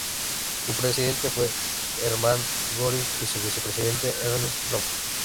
Su presidente fue Hermann Göring y su vicepresidente Ernst Röhm.